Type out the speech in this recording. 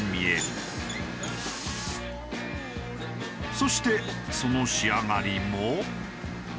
そしてその仕上がりも。